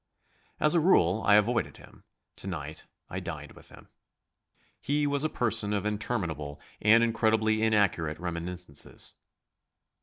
As a rule I avoided him, to night I dined with him. He was a person of interminable and incredibly inaccurate reminiscences.